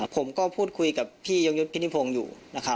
ผมก็พูดคุยกับพี่ยุนยุทธิพินิภงอยู่